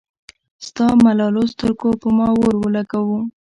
ستا ملالو سترګو پۀ ما اور اولګوو